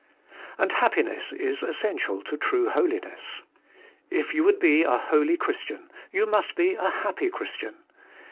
And happiness is essential to true holiness. If you would be a holy Christian, you must be a happy Christian.